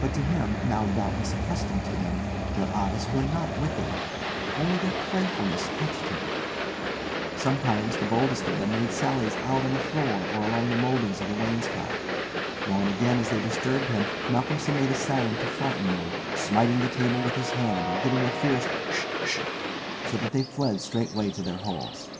But to him, now doubtless accustomed to them, their eyes were not wicked; only their playfulness touched him. Sometimes the boldest of them made sallies out on the floor or along the mouldings of the wainscot. Now and again as they disturbed him Malcolmson made a sound to frighten them, smiting the table with his hand or giving a fierce "Hsh, hsh," so that they fled straightway to their holes.